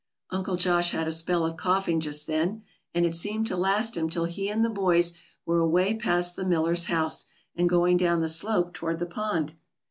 Uncle Josh had a spell of coughing just then, and it seemed to last him till he and the boys were away past the miller's house, and going down the slope toward the pond.